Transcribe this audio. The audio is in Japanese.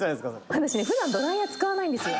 「私ね普段ドライヤー使わないんですよ」